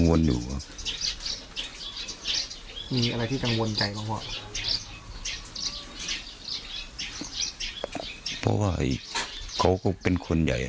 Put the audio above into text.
ก็มีกังวลอยู่ว่ะเพราะว่าเขาก็เป็นคนใหญ่นะครับ